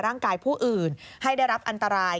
ร่างกายผู้อื่นให้ได้รับอันตราย